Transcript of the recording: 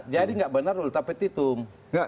jadi nggak benar lho ultra petitung